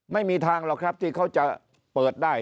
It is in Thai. ไม่มีทางหรอกครับที่เขาจะเปิดได้